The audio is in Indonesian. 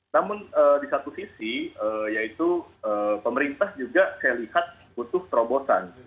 namun di satu sisi yaitu pemerintah juga saya lihat butuh terobosan